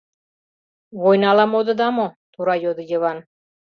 — Войнала модыда мо? — тура йодо Йыван.